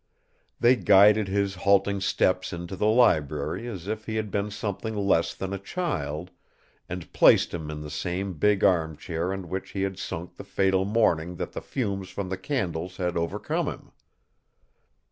They guided his halting steps into the library as if he had been something less than a child, and placed him in the same big armchair on which he had sunk the fatal morning that the fumes from the candles had overcome him.